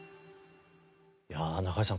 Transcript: いや中井さん